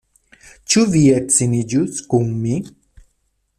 Ĉu vi edziniĝus kun mi?